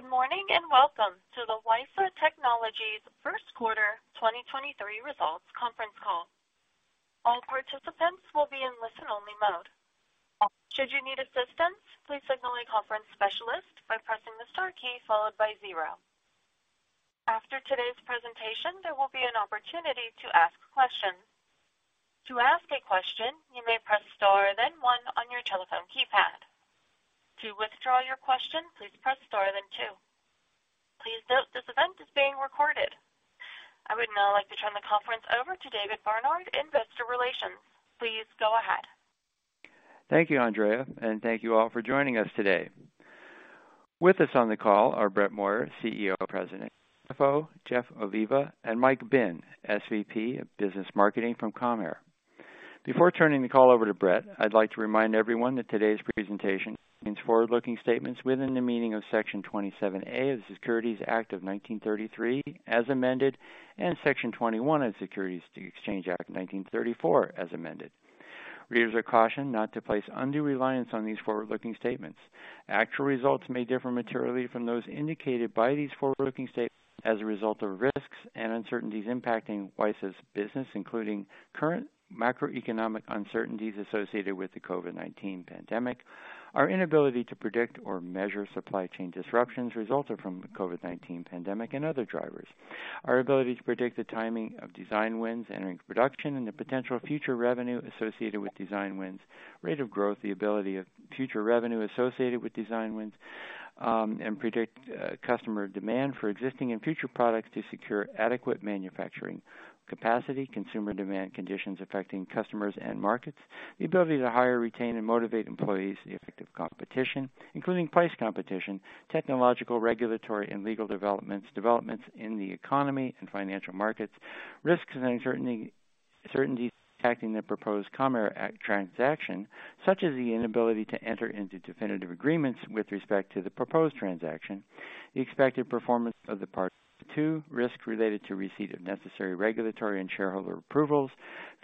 Good morning. Welcome to the WiSA Technologies First Quarter 2023 Results Conference Call. All participants will be in listen-only mode. Should you need assistance, please signal a conference specialist by pressing the star key followed by zero. After today's presentation, there will be an opportunity to ask questions. To ask a question, you may press star then one on your telephone keypad. To withdraw your question, please press star then two. Please note this event is being recorded. I would now like to turn the conference over to David Barnard, Investor Relations. Please go ahead. Thank you, Andrea, and thank you all for joining us today. With us on the call are Brett Moyer, CEO, President, CFO, George Oliva, and Mike Binn, SVP of Business Marketing from Comhear, Inc Before turning the call over to Brett, I'd like to remind everyone that today's presentation contains forward-looking statements within the meaning of Section 27A of the Securities Act of 1933, as amended, and Section 21 of the Securities Exchange Act of 1934, as amended. Readers are cautioned not to place undue reliance on these forward-looking statements. Actual results may differ materially from those indicated by these forward-looking statements as a result of risks and uncertainties impacting WiSA's business, including current macroeconomic uncertainties associated with the COVID-19 pandemic, our inability to predict or measure supply chain disruptions resulting from the COVID-19 pandemic and other drivers. Our ability to predict the timing of design wins entering production and the potential future revenue associated with design wins, rate of growth, the ability of future revenue associated with design wins, and predict customer demand for existing and future products to secure adequate manufacturing capacity, consumer demand conditions affecting customers and markets, the ability to hire, retain, and motivate employees, the effect of competition, including price competition, technological, regulatory, and legal developments in the economy and financial markets, risks and uncertainties affecting the proposed Comhear transaction, such as the inability to enter into definitive agreements with respect to the proposed transaction, the expected performance of the parties to risks related to receipt of necessary regulatory and shareholder approvals,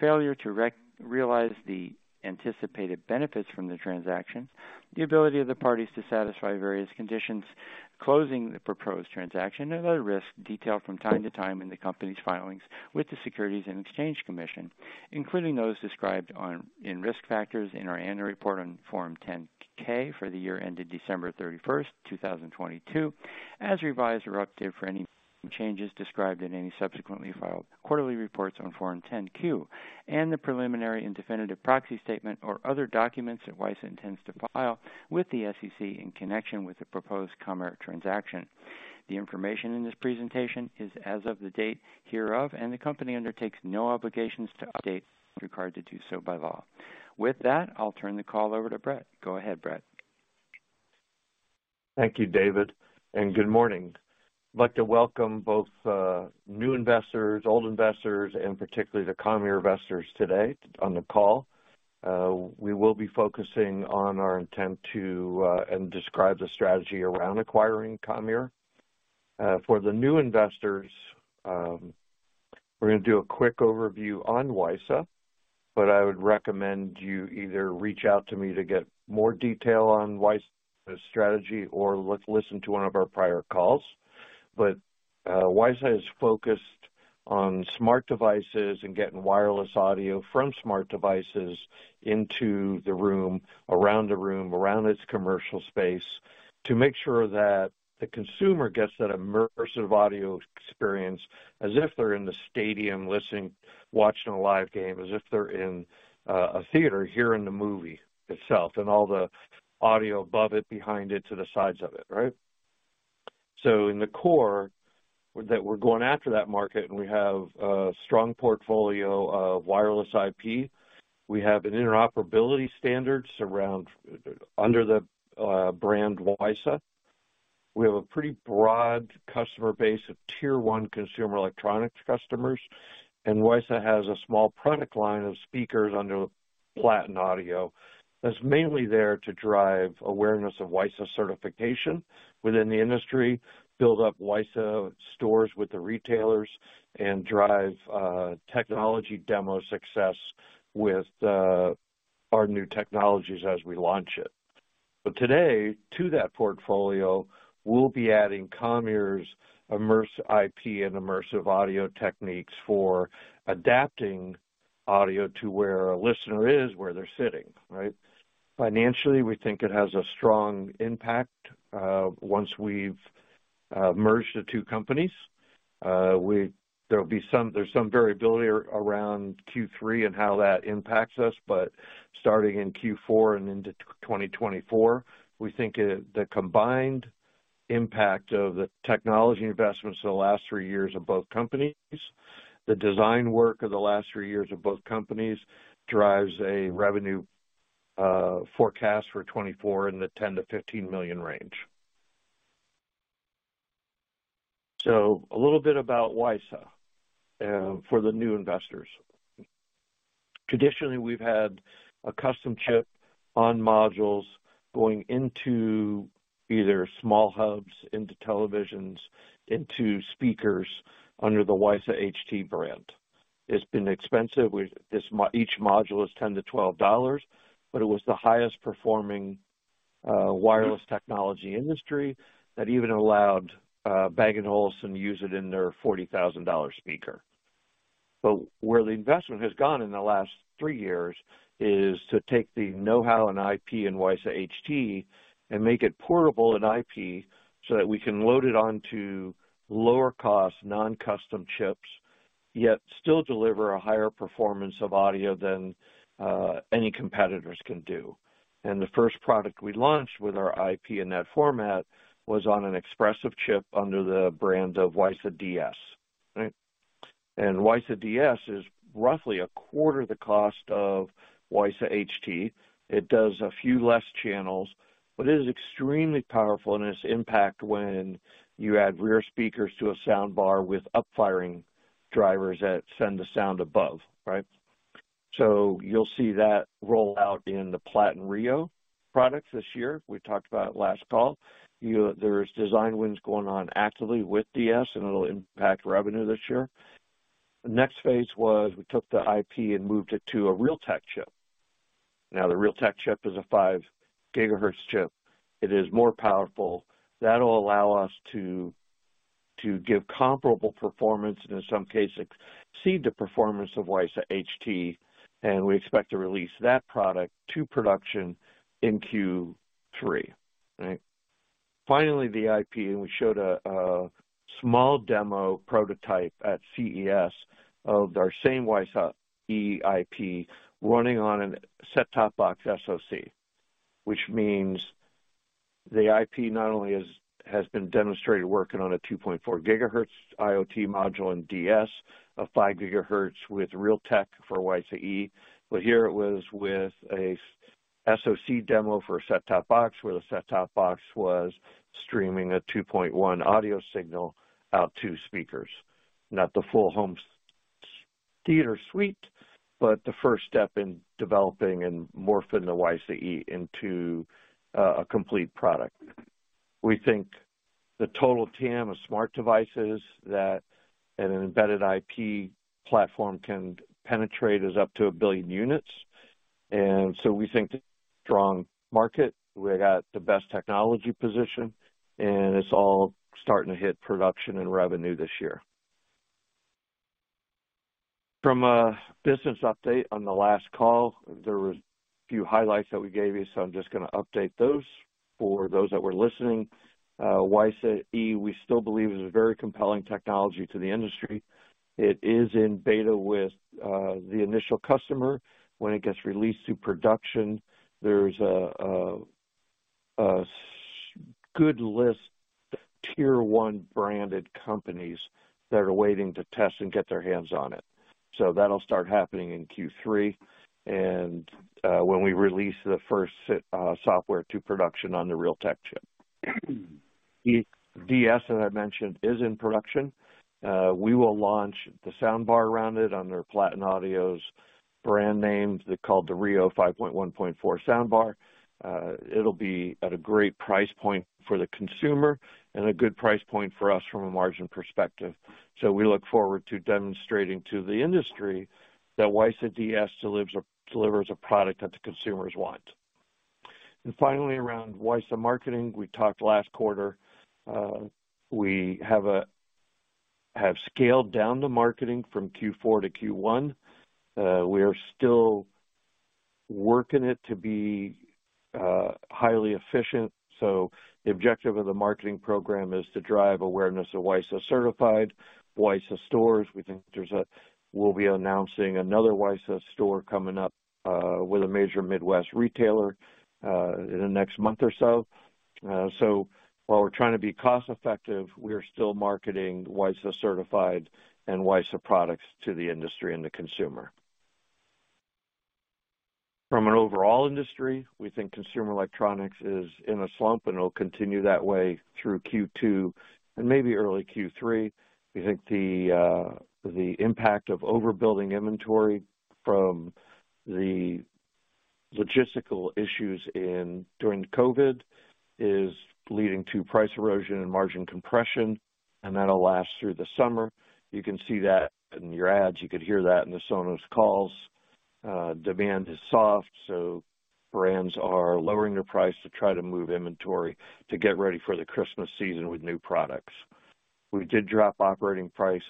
failure to realize the anticipated benefits from the transaction, the ability of the parties to satisfy various conditions, closing the proposed transaction and other risks detailed from time to time in the company's filings with the Securities and Exchange Commission, including those described in risk factors in our annual report on Form 10-K for the year ended December 31st, 2022, as revised or updated for any changes described in any subsequently filed quarterly reports on Form 10-Q, and the preliminary and definitive proxy statement or other documents that WiSA intends to file with the SEC in connection with the proposed Comhear transaction. The information in this presentation is as of the date hereof. The company undertakes no obligations to update as required to do so by law. With that, I'll turn the call over to Brett. Go ahead, Brett. Thank you, David, and good morning. I'd like to welcome both new investors, old investors, and particularly the Comhear investors today on the call. We will be focusing on our intent to and describe the strategy around acquiring Comhear. For the new investors, we're gonna do a quick overview on WiSA, but I would recommend you either reach out to me to get more detail on WiSA's strategy or listen to one of our prior calls. WiSA is focused on smart devices and getting wireless audio from smart devices into the room, around the room, around its commercial space to make sure that the consumer gets that immersive audio experience as if they're in the stadium listening, watching a live game, as if they're in a theater hearing the movie itself and all the audio above it, behind it, to the sides of it, right? In the core that we're going after that market, and we have a strong portfolio of wireless IP. We have an interoperability standard surround under the brand WiSA. We have a pretty broad customer base of tier one consumer electronics customers. WiSA has a small product line of speakers under Platin Audio that's mainly there to drive awareness of WiSA certification within the industry, build up WiSA stores with the retailers, and drive technology demo success with our new technologies as we launch it. Today, to that portfolio, we'll be adding Comhear's Immerse IP and immersive audio techniques for adapting audio to where a listener is, where they're sitting, right? Financially, we think it has a strong impact once we've merged the two companies. There's some variability around Q3 and how that impacts us. Starting in Q4 and into 2024, we think it the combined impact of the technology investments for the last three years of both companies, the design work of the last three years of both companies drives a revenue forecast for 2024 in the $10 million-$15 million range. A little bit about WiSA for the new investors. Traditionally, we've had a custom chip on modules going into either small hubs, into televisions, into speakers under the WiSA HT brand. It's been expensive with each module is $10-$12, but it was the highest performing wireless technology industry that even allowed Bang & Olufsen use it in their $40,000 speaker. Where the investment has gone in the last three years is to take the know-how and IP in WiSA HT and make it portable in IP so that we can load it onto lower cost non-custom chips, yet still deliver a higher performance of audio than any competitors can do. The first product we launched with our IP in that format was on an Espressif chip under the brand of WiSA DS. Right? WiSA DS is roughly a quarter the cost of WiSA HT. It does a few less channels, but it is extremely powerful in its impact when you add rear speakers to a soundbar with up firing drivers that send the sound above, right? You'll see that roll out in the Platin Rio products this year. We talked about it last call. There's design wins going on actively with DS, and it'll impact revenue this year. The next phase was we took the IP and moved it to a Realtek chip. The Realtek chip is a 5 GHz chip. It is more powerful. That'll allow us to give comparable performance, and in some cases exceed the performance of WiSA HT, and we expect to release that product to production in Q3. Right? The IP, and we showed a small demo prototype at CES of our same WiSA E IP running on an set-top box SoC. The IP not only has been demonstrated working on a 2.4 GHz IoT module in DS, a 5 GHz with Realtek for WiSA E, but here it was with a SoC demo for a set-top box, where the set-top box was streaming a 2.1 audio signal out to speakers. Not the full home theater suite, but the first step in developing and morphing the WiSA E into a complete product. We think the total TAM of smart devices that an embedded IP platform can penetrate is up to a billion units, we think the strong market, we got the best technology position, and it's all starting to hit production and revenue this year. There was a few highlights that we gave you, so I'm just gonna update those for those that were listening. WiSA-E, we still believe is a very compelling technology to the industry. It is in beta with the initial customer. When it gets released to production, there's a good list of tier one branded companies that are waiting to test and get their hands on it. That'll start happening in Q3, and when we release the first set software to production on the Realtek chip. DS, as I mentioned, is in production. We will launch the soundbar around it under Platin Audio's brand name, they're called the Rio 5.1.4 soundbar. It'll be at a great price point for the consumer and a good price point for us from a margin perspective. We look forward to demonstrating to the industry that WiSA DS delivers a product that the consumers want. Finally, around WiSA marketing, we talked last quarter, we have scaled down the marketing from Q4 to Q1. We are still working it to be highly efficient. The objective of the marketing program is to drive awareness of WiSA Certified, WiSA stores. We think there's we'll be announcing another WiSA store coming up with a major Midwest retailer in the next month or so. While we're trying to be cost-effective, we are still marketing WiSA Certified and WiSA products to the industry and the consumer. From an overall industry, we think consumer electronics is in a slump, and it'll continue that way through Q2 and maybe early Q3. We think the impact of overbuilding inventory from the logistical issues during COVID is leading to price erosion and margin compression, and that'll last through the summer. You can see that in your ads. You could hear that in the Sonos calls. Demand is soft, brands are lowering their price to try to move inventory to get ready for the Christmas season with new products. We did drop operating price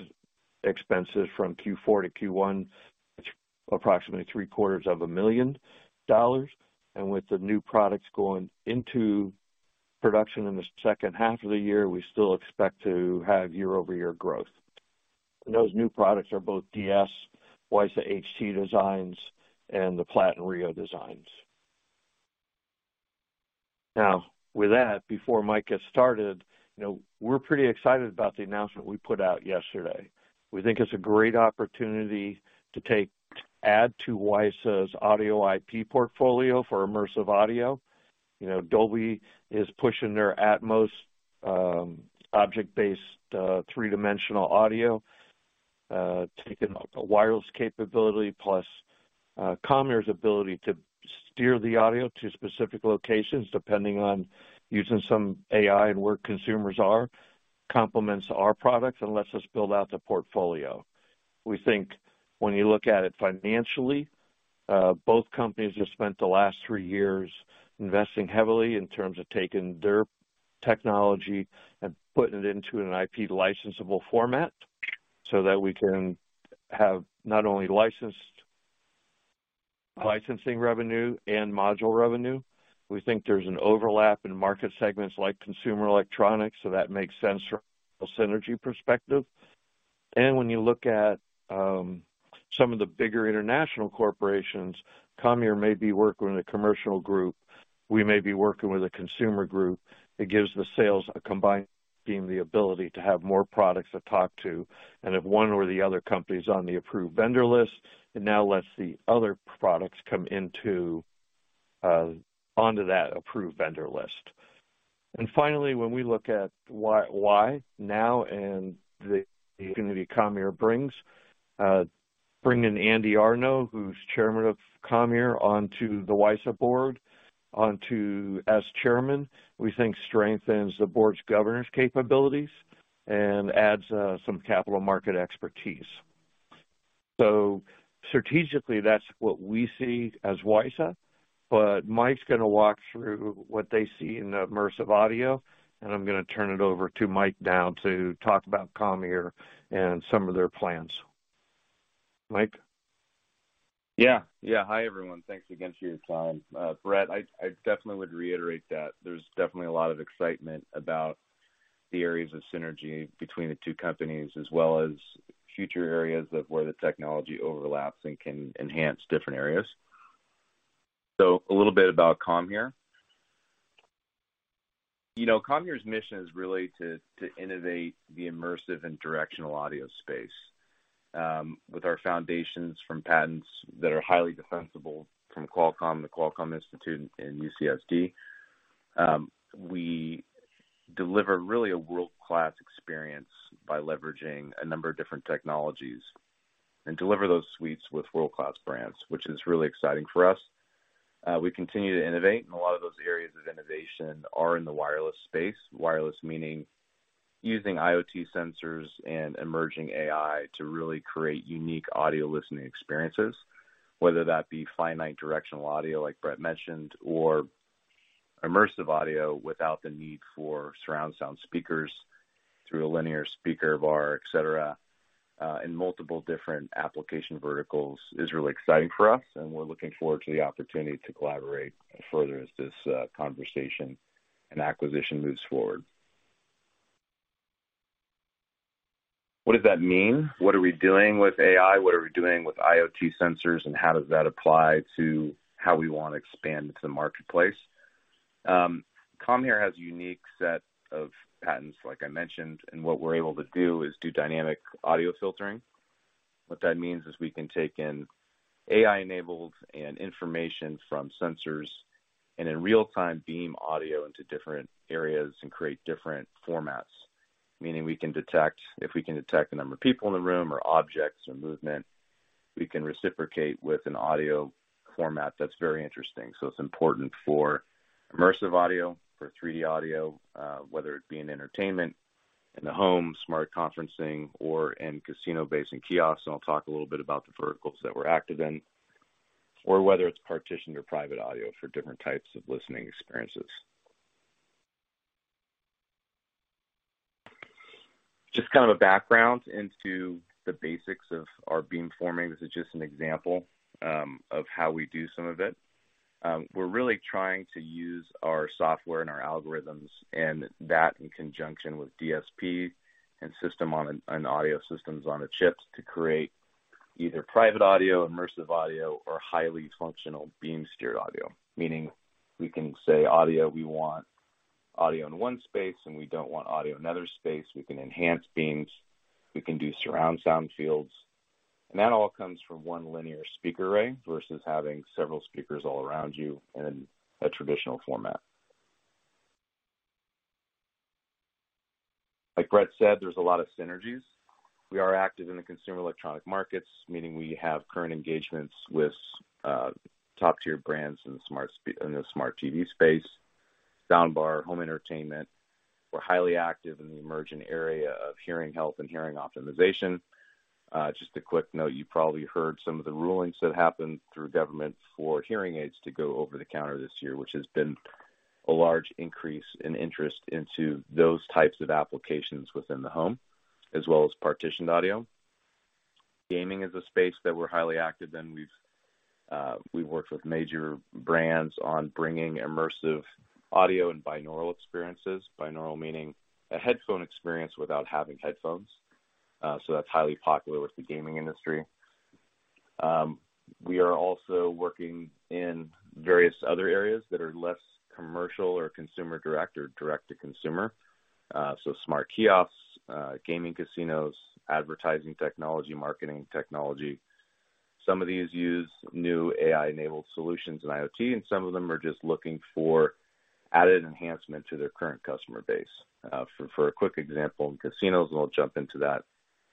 expenses from Q4-Q1, which approximately three-quarters of a million dollars. With the new products going into production in the second half of the year, we still expect to have year-over-year growth. Those new products are both DS, WiSA HT designs, and the Platin Rio designs. With that, before Mike gets started, you know, we're pretty excited about the announcement we put out yesterday. We think it's a great opportunity to add to WiSA's audio IP portfolio for immersive audio. You know, Dolby is pushing their Atmos, object-based, three-dimensional audio, taking a wireless capability plus Comhear's ability to steer the audio to specific locations, depending on using some AI and where consumers are, complements our products and lets us build out the portfolio. We think when you look at it financially, both companies have spent the last three years investing heavily in terms of taking their technology and putting it into an IP licensable format so that we can have not only licensing revenue and module revenue. We think there's an overlap in market segments like consumer electronics, so that makes sense from a synergy perspective. When you look at, some of the bigger international corporations, Comhear may be working with a commercial group, we may be working with a consumer group. It gives the sales a combined team the ability to have more products to talk to. If one or the other company is on the approved vendor list, it now lets the other products come into, onto that approved vendor list. Finally, when we look at why now and the community Comhear brings, bringing Andy Arno, who's Chairman of Comhear, onto the WiSA board, onto as Chairman, we think strengthens the board's governance capabilities and adds some capital market expertise. Strategically, that's what we see as WiSA. Mike's gonna walk through what they see in the immersive audio. I'm gonna turn it over to Mike now to talk about Comhear and some of their plans. Mike? Hi, everyone. Thanks again for your time. Brett, I definitely would reiterate that there's definitely a lot of excitement about the areas of synergy between the two companies, as well as future areas of where the technology overlaps and can enhance different areas. A little bit about Comhear. You know, Comhear's mission is really to innovate the immersive and directional audio space, with our foundations from patents that are highly defensible from Qualcomm, the Qualcomm Institute in UCSD. We deliver really a world-class experience by leveraging a number of different technologies and deliver those suites with world-class brands, which is really exciting for us. We continue to innovate, and a lot of those areas of innovation are in the wireless space. Wireless meaning using IoT sensors and emerging AI to really create unique audio listening experiences, whether that be finite directional audio, like Brett mentioned, or immersive audio without the need for surround sound speakers through a linear speaker bar, et cetera, in multiple different application verticals is really exciting for us, and we're looking forward to the opportunity to collaborate further as this conversation and acquisition moves forward. What does that mean? What are we doing with AI? What are we doing with IoT sensors, and how does that apply to how we wanna expand into the marketplace? Comhear has a unique set of patents, like I mentioned, and what we're able to do is do dynamic audio filtering. What that means is we can take in AI-enabled and information from sensors, and in real-time beam audio into different areas and create different formats. If we can detect the number of people in the room or objects or movement, we can reciprocate with an audio format that's very interesting. It's important for immersive audio, for 3D audio, whether it be in entertainment, in the home, smart conferencing or in casino-based and kiosks, and I'll talk a little bit about the verticals that we're active in, or whether it's partitioned or private audio for different types of listening experiences. Just kind of a background into the basics of our beamforming. This is just an example of how we do some of it. We're really trying to use our software and our algorithms and that in conjunction with DSP and audio systems on a chips to create either private audio, immersive audio or highly functional beam-steered audio. Meaning we can say audio, we want audio in one space, and we don't want audio in another space. We can enhance beams, we can do surround sound fields, and that all comes from one linear speaker array versus having several speakers all around you in a traditional format. Like Brett said, there's a lot of synergies. We are active in the consumer electronic markets, meaning we have current engagements with top-tier brands in the smart TV space, soundbar, home entertainment. We're highly active in the emerging area of hearing health and hearing optimization. Just a quick note, you probably heard some of the rulings that happened through government for hearing aids to go over the counter this year, which has been a large increase in interest into those types of applications within the home, as well as partitioned audio. Gaming is a space that we're highly active in. We've, we've worked with major brands on bringing immersive audio and binaural experiences. Binaural meaning a headphone experience without having headphones. That's highly popular with the gaming industry. We are also working in various other areas that are less commercial or consumer direct or direct-to-consumer. Smart kiosks, gaming casinos, advertising technology, marketing technology. Some of these use new AI-enabled solutions and IoT, and some of them are just looking for added enhancement to their current customer base. For a quick example, in casinos, and we'll jump into that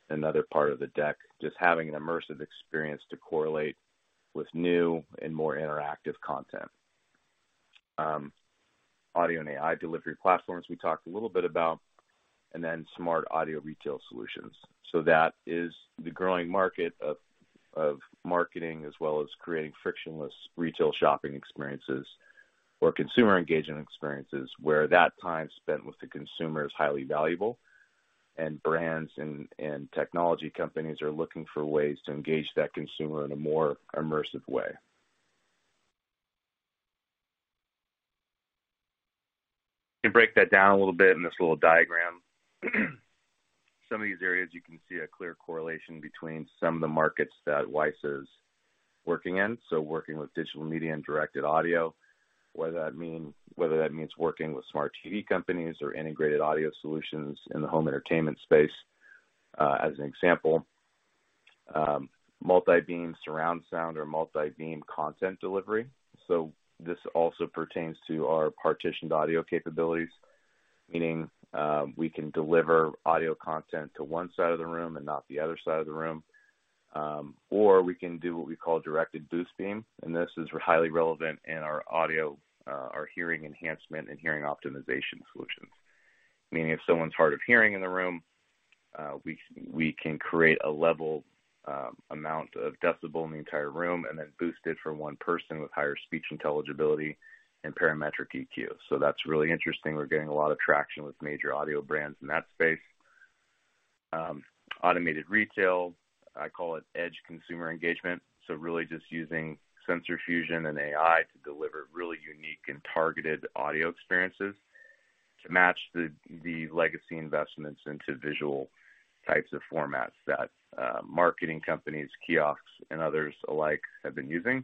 another part of the deck, just having an immersive experience to correlate with new and more interactive content. Audio and AI delivery platforms we talked a little about. Smart audio retail solutions. That is the growing market of marketing as well as creating frictionless retail shopping experiences or consumer engagement experiences where that time spent with the consumer is highly valuable, and brands and technology companies are looking for ways to engage that consumer in a more immersive way. To break that down a little bit in this little diagram. Some of these areas, you can see a clear correlation between some of the markets that WiSA is working in, so working with digital media and directed audio, whether that means working with smart TV companies or integrated audio solutions in the home entertainment space, as an example. Multi-beam surround sound or multi-beam content delivery. This also pertains to our partitioned audio capabilities, meaning, we can deliver audio content to one side of the room and not the other side of the room. Or we can do what we call directed boost beam, and this is highly relevant in our audio, our hearing enhancement and hearing optimization solutions. Meaning if someone's hard of hearing in the room, we can create a level amount of decibel in the entire room and then boost it for one person with higher speech intelligibility and Parametric EQ. That's really interesting. We're getting a lot of traction with major audio brands in that space. Automated retail, I call it edge consumer engagement. Really just using sensor fusion and AI to deliver really unique and targeted audio experiences to match the legacy investments into visual types of formats that marketing companies, kiosks, and others alike have been using.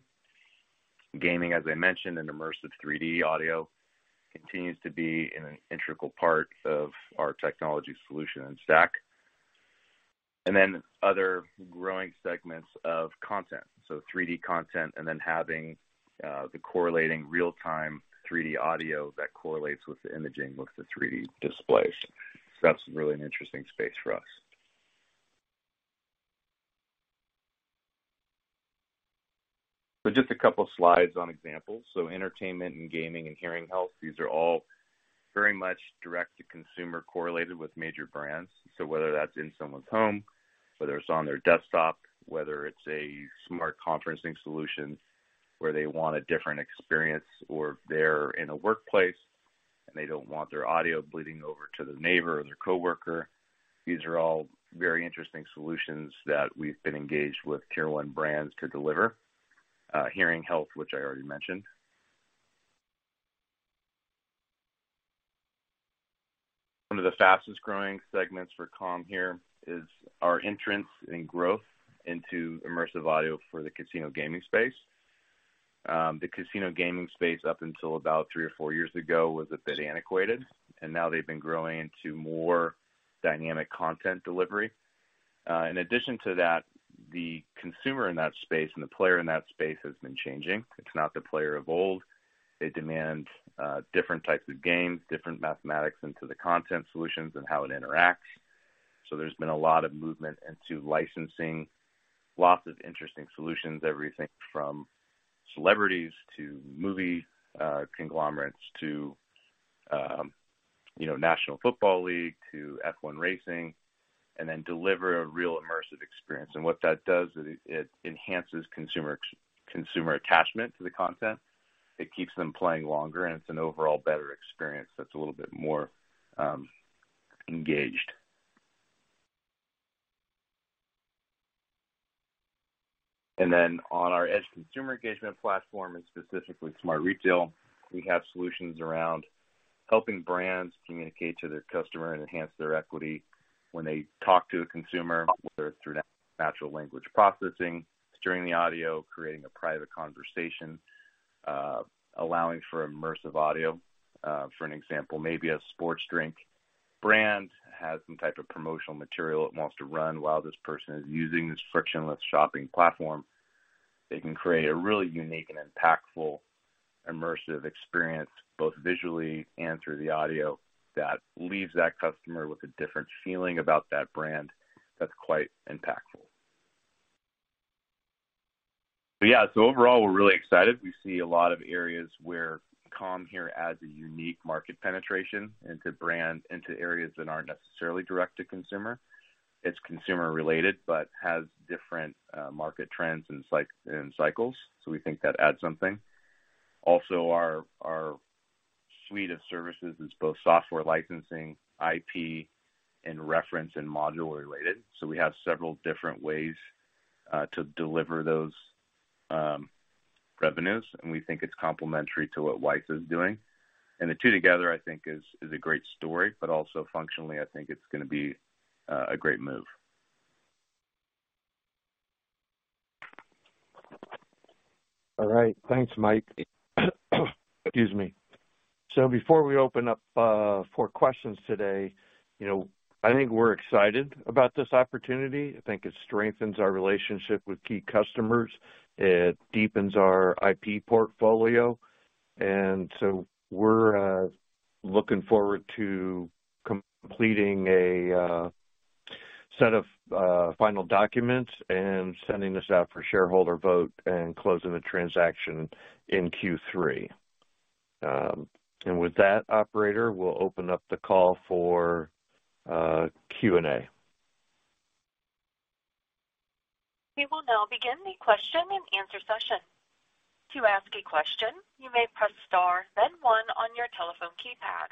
Gaming, as I mentioned, and immersive 3D audio continues to be an integral part of our technology solution and stack. Other growing segments of content. 3D content and then having the correlating real-time 3D audio that correlates with the imaging with the 3D displays. That's really an interesting space for us. Just a couple slides on examples. Entertainment and gaming and hearing health, these are all very much direct to consumer correlated with major brands. Whether that's in someone's home, whether it's on their desktop, whether it's a smart conferencing solution where they want a different experience, or if they're in a workplace and they don't want their audio bleeding over to the neighbor or their coworker. These are all very interesting solutions that we've been engaged with tier one brands to deliver. Hearing health, which I already mentioned. One of the fastest-growing segments for Comhear is our entrance and growth into immersive audio for the casino gaming space. The casino gaming space, up until about three or four years ago, was a bit antiquated, and now they've been growing into more dynamic content delivery. In addition to that, the consumer in that space and the player in that space has been changing. It's not the player of old. They demand different types of games, different mathematics into the content solutions and how it interacts. There's been a lot of movement into licensing lots of interesting solutions, everything from celebrities to movie conglomerates to, you know, National Football League to F1 racing, and then deliver a real immersive experience. What that does is it enhances consumer attachment to the content. It keeps them playing longer, and it's an overall better experience that's a little bit more engaged. On our edge consumer engagement platform and specifically smart retail, we have solutions around helping brands communicate to their customer and enhance their equity when they talk to a consumer, whether it's through natural language processing, it's during the audio, creating a private conversation, allowing for immersive audio. For an example, maybe a sports drink brand has some type of promotional material it wants to run while this person is using this frictionless shopping platform. They can create a really unique and impactful immersive experience, both visually and through the audio, that leaves that customer with a different feeling about that brand that's quite impactful. Yeah. Overall, we're really excited. We see a lot of areas where Comhear adds a unique market penetration into brand, into areas that aren't necessarily direct to consumer. It's consumer related, but has different market trends and cycles. We think that adds something. Also, our suite of services is both software licensing, IP, and reference and modular related. We have several different ways to deliver those revenues, and we think it's complementary to what WiSA is doing. The two together, I think, is a great story, but also functionally, I think it's gonna be a great move. All right. Thanks, Mike. Excuse me. Before we open up for questions today, you know, I think we're excited about this opportunity. I think it strengthens our relationship with key customers. It deepens our IP portfolio. We're looking forward to completing a set of final documents and sending this out for shareholder vote and closing the transaction in Q3. With that operator, we'll open up the call for Q&A. We will now begin the question-and-answer session. To ask a question, you may press star, then one on your telephone keypad.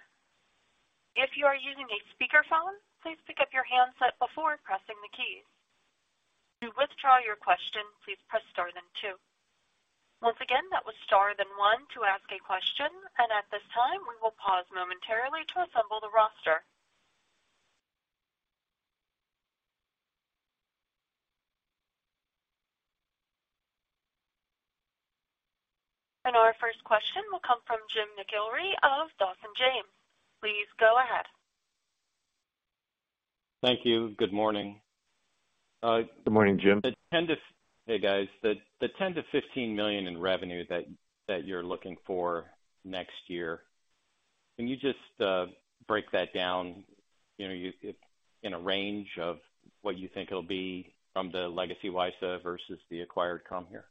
If you are using a speakerphone, please pick up your handset before pressing the keys. To withdraw your question, please press star then two. Once again, that was star then one to ask a question. At this time, we will pause momentarily to assemble the roster. Our first question will come from James McIlree of Dawson James. Please go ahead. Thank you. Good morning. Good morning, Jim. Hey, guys. The $10 million-$15 million in revenue that you're looking for next year, can you just break that down, you know, in a range of what you think it'll be from the legacy WiSA versus the acquired Comhear?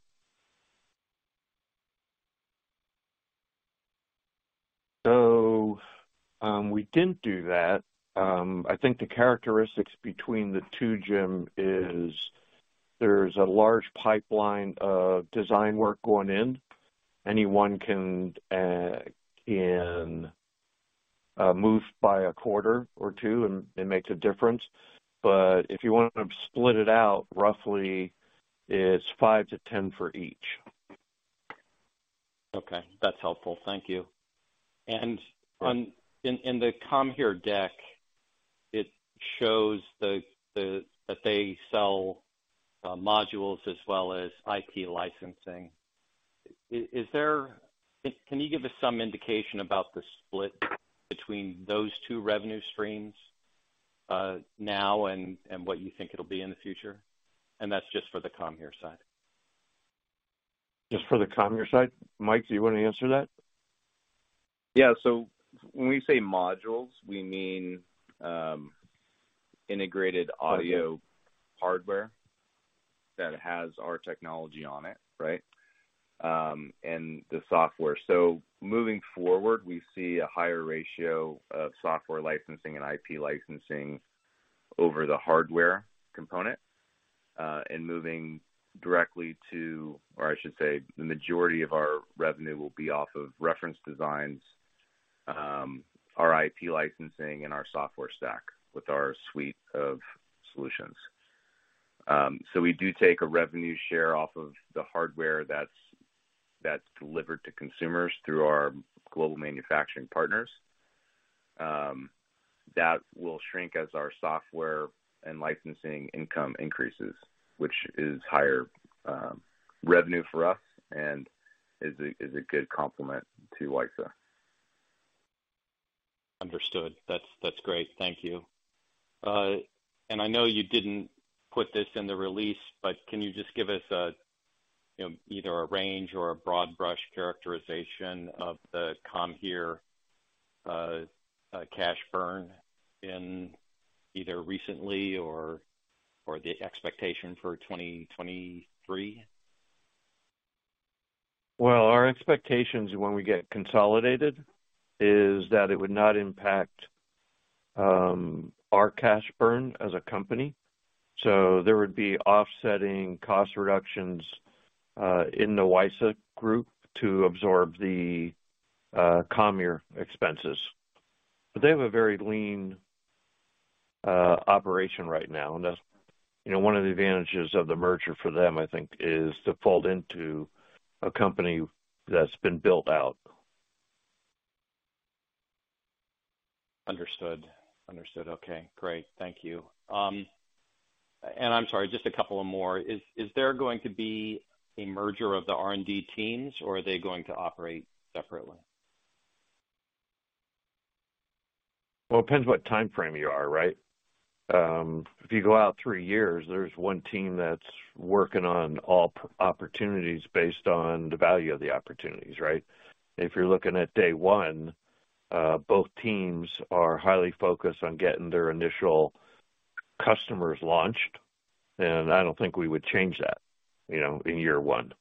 We didn't do that. I think the characteristics between the two, Jim, is there's a large pipeline of design work going in. Any one can move by a quarter or two, and it makes a difference. If you wanna split it out, roughly it's five to tenfor each. Okay. That's helpful. Thank you. In the Comhear deck, it shows that they sell modules as well as IP licensing. Can you give us some indication about the split between those two revenue streams now and what you think it'll be in the future? That's just for the Comhear side. Just for the Comhear side. Mike, do you wanna answer that? Yeah. When we say modules, we mean integrated audio hardware that has our technology on it, right? The software. Moving forward, we see a higher ratio of software licensing and IP licensing over the hardware component. The majority of our revenue will be off of reference designs, our IP licensing and our software stack with our suite of solutions. We do take a revenue share off of the hardware that's delivered to consumers through our global manufacturing partners. That will shrink as our software and licensing income increases, which is higher revenue for us and is a good complement to WiSA. Understood. That's great. Thank you. I know you didn't put this in the release, but can you just give us a, you know, either a range or a broad brush characterization of the Comhear cash burn in either recently or the expectation for 2023? Our expectations when we get consolidated is that it would not impact our cash burn as a company. There would be offsetting cost reductions in the WiSA group to absorb the Comhear expenses. They have a very lean operation right now, and that's, you know, one of the advantages of the merger for them, I think, is to fold into a company that's been built out. Understood. Understood. Okay, great. Thank you. I'm sorry, just a couple of more. Is there going to be a merger of the R&D teams or are they going to operate separately? It depends what timeframe you are, right? If you go out three years, there's one team that's working on all opportunities based on the value of the opportunities, right? If you're looking at day one, both teams are highly focused on getting their initial customers launched, and I don't think we would change that, you know, in year one.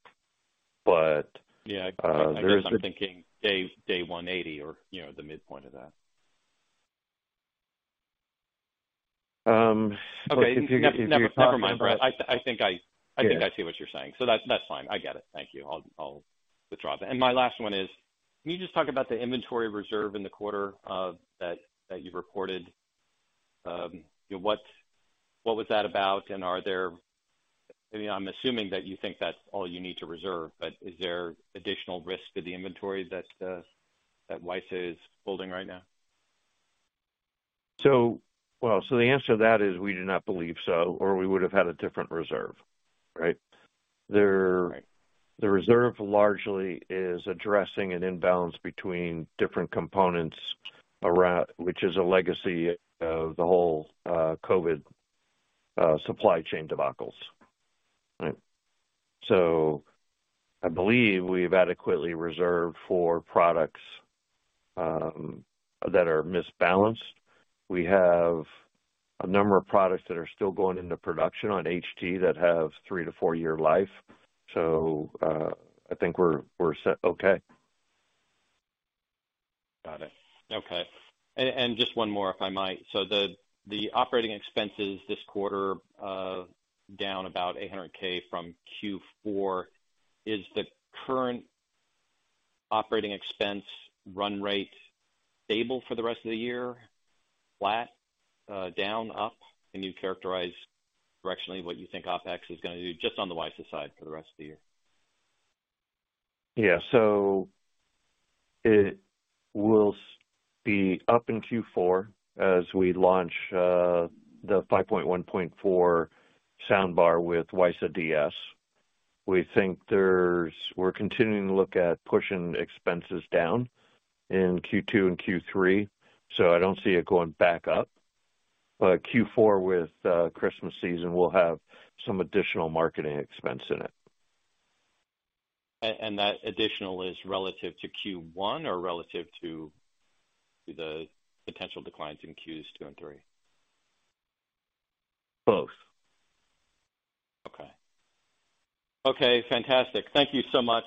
Yeah. There is. I'm thinking day 180 or, you know, the midpoint of that. Okay. Never mind, Brett. I think I see what you're saying, that's fine. I get it. Thank you. I'll withdraw. My last one is, can you just talk about the inventory reserve in the quarter that you've reported? What was that about? I mean, I'm assuming that you think that's all you need to reserve, but is there additional risk to the inventory that WiSA is holding right now? Well, the answer to that is we do not believe so or we would have had a different reserve, right? Right. The reserve largely is addressing an imbalance between different components which is a legacy of the whole COVID supply chain debacles, right. I believe we've adequately reserved for products that are misbalanced. We have a number of products that are still going into production on HT that have three to four year life. I think we're set okay. Got it. Okay. Just one more, if I might. The operating expenses this quarter, down about $800K from Q4. Is the current operating expense run rate stable for the rest of the year? Flat, down, up? Can you characterize directionally what you think OpEx is gonna do just on the WiSA side for the rest of the year? Yeah. It will be up in Q4 as we launch the 5.1.4 soundbar with WiSA DS. We think there's. We're continuing to look at pushing expenses down in Q2 and Q3, so I don't see it going back up. Q4 with Christmas season, we'll have some additional marketing expense in it. That additional is relative to Q1 or relative to the potential declines in Q2 and Q3? Both. Okay. Okay, fantastic. Thank you so much,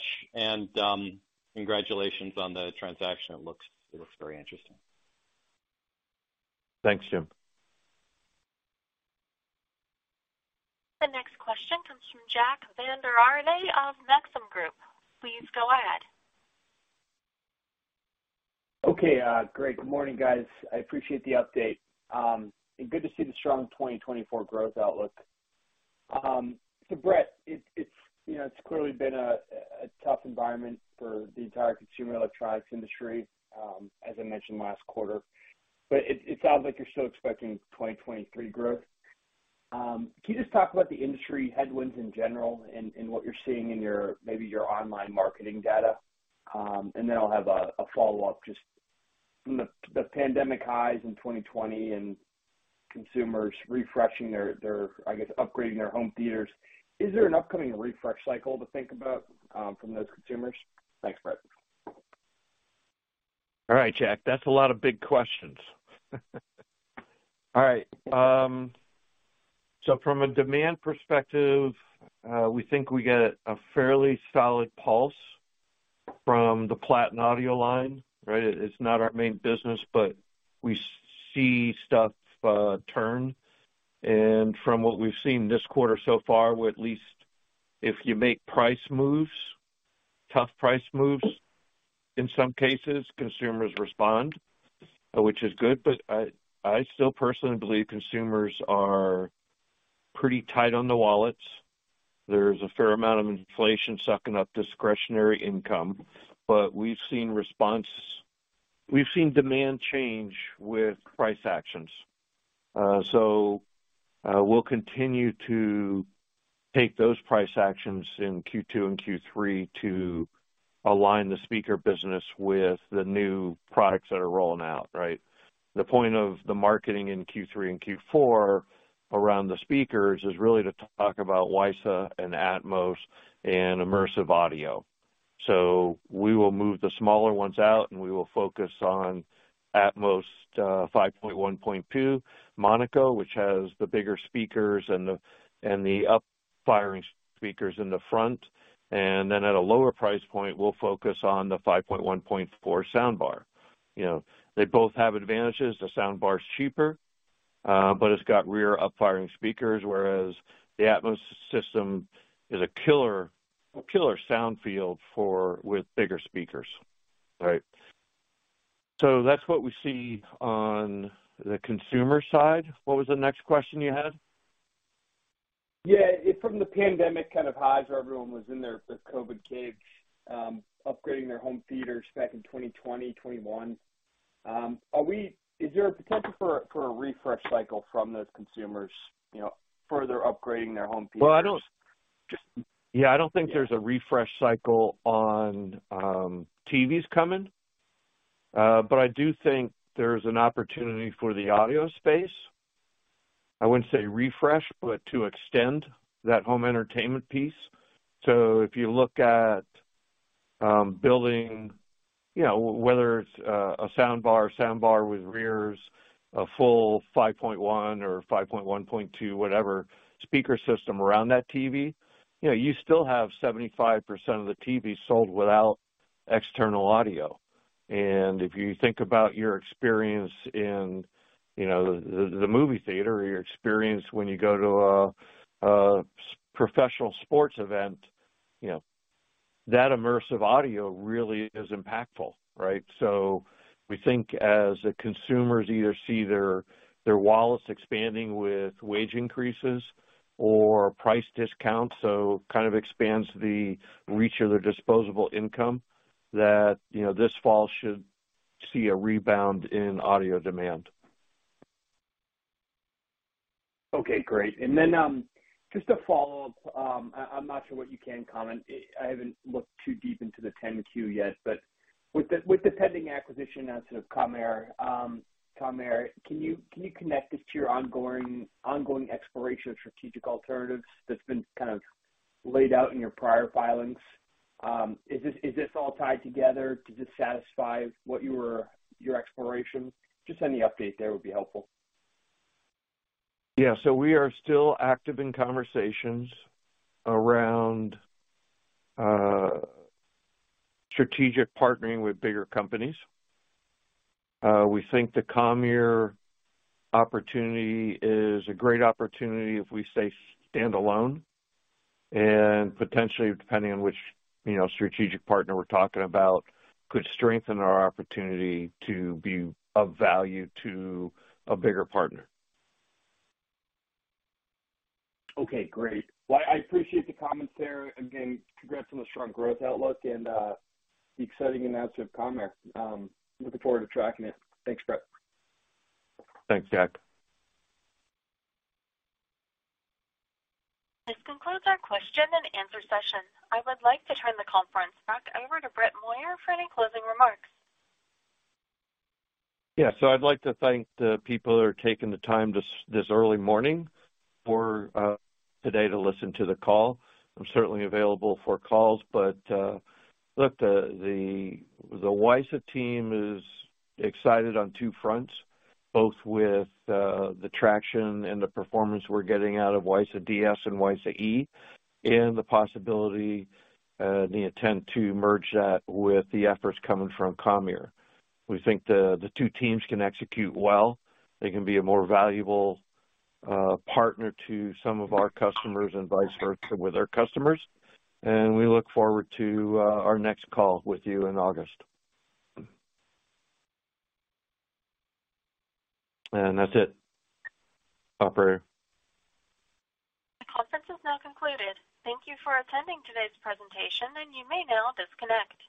congratulations on the transaction. It looks very interesting. Thanks, Jim. The next question comes from Jack Vander Aarde of Maxim Group. Please go ahead. Okay. Great. Good morning, guys. I appreciate the update. Good to see the strong 2024 growth outlook. Brett, it's, you know, it's clearly been a tough environment for the entire consumer electronics industry, as I mentioned last quarter. It sounds like you're still expecting 2023 growth. Can you just talk about the industry headwinds in general and what you're seeing in your maybe your online marketing data? I'll have a follow-up just from the pandemic highs in 2020 and consumers refreshing their, I guess, upgrading their home theaters. Is there an upcoming refresh cycle to think about from those consumers? Thanks, Brett. All right, Jack, that's a lot of big questions. All right. From a demand perspective, we think we get a fairly solid pulse from the Platin Audio line, right? It's not our main business, but we see stuff turn. From what we've seen this quarter so far, we at least, if you make price moves, tough price moves, in some cases, consumers respond, which is good. I still personally believe consumers are pretty tight on the wallets. There's a fair amount of inflation sucking up discretionary income. We've seen demand change with price actions. We'll continue to take those price actions in Q2 and Q3 to align the speaker business with the new products that are rolling out, right? The point of the marketing in Q3 and Q4 around the speakers is really to talk about WiSA and Atmos and immersive audio. We will move the smaller ones out, and we will focus on Atmos, 5.1.2 Monaco, which has the bigger speakers and the up-firing speakers in the front. Then at a lower price point, we'll focus on the 5.1.4 soundbar. You know, they both have advantages. The soundbar is cheaper, but it's got rear up-firing speakers, whereas the Atmos system is a killer sound field with bigger speakers. Right. That's what we see on the consumer side. What was the next question you had? Yeah. From the pandemic kind of highs, where everyone was in their COVID caves, upgrading their home theaters back in 2020, 2021, is there a potential for a refresh cycle from those consumers, you know, further upgrading their home theaters? Well, I. Just- I don't think there's a refresh cycle on TVs coming. I do think there's an opportunity for the audio space. I wouldn't say refresh, but to extend that home entertainment piece. If you look at building, you know, whether it's a soundbar with rears, a full 5.1 or 5.1.2 whatever speaker system around that TV, you know, you still have 75% of the TVs sold without external audio. If you think about your experience in, you know, the movie theater or your experience when you go to a professional sports event, you know, that immersive audio really is impactful, right? We think as the consumers either see their wallets expanding with wage increases or price discounts, so kind of expands the reach of their disposable income, that, you know, this fall should see a rebound in audio demand. Okay, great. Then, just a follow-up. I'm not sure what you can comment. I haven't looked too deep into the 10-Q yet. With the pending acquisition now to Comhear, can you connect this to your ongoing exploration of strategic alternatives that's been kind of laid out in your prior filings? Is this all tied together? Does this satisfy what your exploration? Just any update there would be helpful. We are still active in conversations around strategic partnering with bigger companies. We think the Comhear opportunity is a great opportunity if we stay standalone and potentially, depending on which, you know, strategic partner we're talking about, could strengthen our opportunity to be of value to a bigger partner. Okay, great. Well, I appreciate the comments there. Again, congrats on the strong growth outlook and the exciting announcement of Comhear. Looking forward to tracking it. Thanks, Brett. Thanks, Jack. This concludes our question-and-answer session. I would like to turn the conference back over to Brett Moyer for any closing remarks. Yeah. I'd like to thank the people who are taking the time this early morning for today to listen to the call. I'm certainly available for calls, but look, the WiSA team is excited on two fronts, both with the traction and the performance we're getting out of WiSA DS and WiSA E and the possibility, the intent to merge that with the efforts coming from Comhear. We think the two teams can execute well. They can be a more valuable partner to some of our customers and vice versa with our customers. We look forward to our next call with you in August. That's it. Operator? The conference is now concluded. Thank you for attending today's presentation. You may now disconnect.